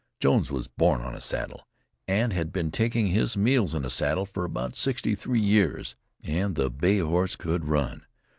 Jones was born on a saddle, and had been taking his meals in a saddle for about sixty three years, and the bay horse could run.